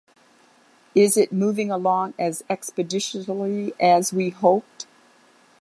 Is it moving along as expeditiously as we hoped?